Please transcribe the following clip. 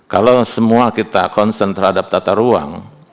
kalau semua kita concern terhadap tata ruang